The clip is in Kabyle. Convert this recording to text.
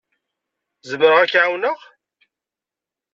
Zemreɣ ad k-ɛawneɣ?